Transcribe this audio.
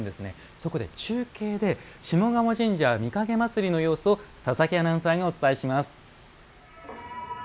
そこで中継で下鴨神社・御蔭祭の様子を佐々木アナウンサーがお伝えします。